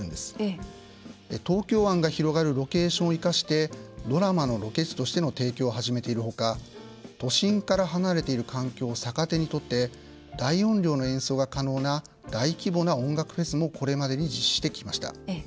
東京湾が広がるロケーションを生かしてドラマのロケ地としての提供を始めているほか都心から離れている環境を逆手にとって大音量の演奏が可能な大規模な音楽フェスもこれまでに実施してきました。